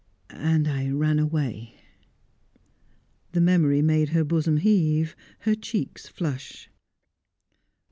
And I ran away." The memory made her bosom heave, her cheeks flush.